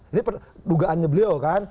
ini dugaannya beliau kan